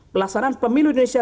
pelaksanaan pemilu indonesia